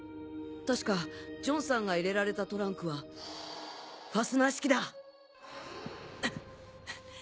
確かジョンさんが入れられたトランクはファスナー式だ。